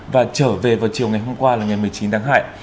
và trở về vào chiều ngày hôm qua là ngày một mươi chín tháng hai